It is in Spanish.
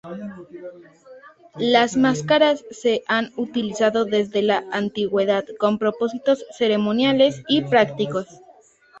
Las máscaras se han utilizado desde la antigüedad con propósitos ceremoniales y prácticos.